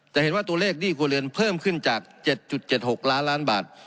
แต่เห็นว่าตัวเลขหนี้ครัวเรือนเพิ่มขึ้นจาก๗๗๖ล้านล้านบาท